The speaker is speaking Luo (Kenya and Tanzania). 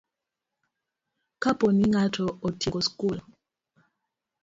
Kapo ni ng'ato otieko skul